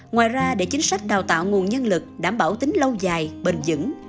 ngoài ra để chính sách đào tạo nguồn nhân lực đảm bảo tính lâu dài bền dững